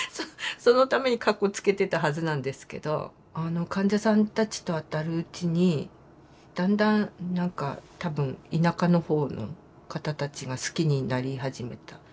そのためにかっこつけてたはずなんですけどあの患者さんたちと当たるうちにだんだん何か多分田舎の方の方たちが好きになり始めた。